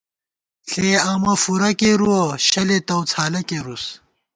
ݪے آمہ فُورہ کېرُوَہ ، شَلے تَؤڅھالہ کېرُوس